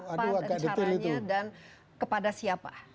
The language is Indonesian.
apa caranya dan kepada siapa